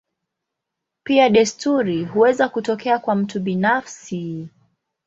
Pia desturi huweza kutokea kwa mtu binafsi.